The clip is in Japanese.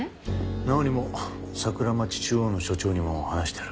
直央にも桜町中央の署長にも話してある。